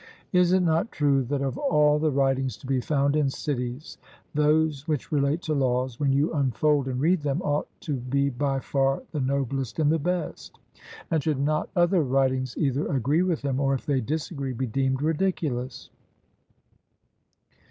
Is it not true that of all the writings to be found in cities, those which relate to laws, when you unfold and read them, ought to be by far the noblest and the best? and should not other writings either agree with them, or if they disagree, be deemed ridiculous?